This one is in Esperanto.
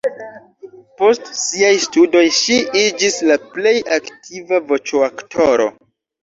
Post siaj studoj ŝi iĝis la plej aktiva voĉoaktoro.